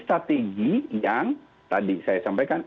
strategi yang tadi saya sampaikan